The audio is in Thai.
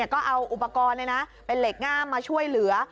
ก็เอาอุปกรณ์นี่นะเอาอุปกรณ์เหล็กงามมาช่วยเหลือ